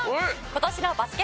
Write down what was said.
今年のバスケ☆